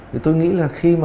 thì tôi nghĩ là khi mà